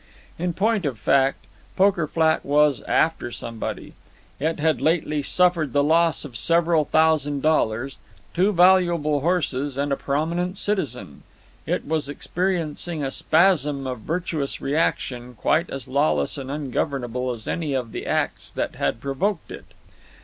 In point of fact, Poker Flat was "after somebody." It had lately suffered the loss of several thousand dollars, two valuable horses, and a prominent citizen. It was experiencing a spasm of virtuous reaction, quite as lawless and ungovernable as any of the acts that had provoked it.